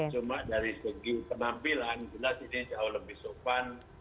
cuma dari segi penampilan jelas ini jauh lebih sopan